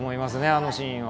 あのシーンは。